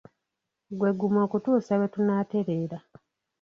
Gwe guma okutuusa lwe tunaatereera.